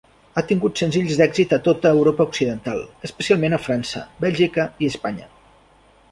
Ha tingut senzills d'èxit a tota Europa Occidental, especialment a França, Bèlgica i Espanya.